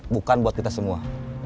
bukan buat kita semua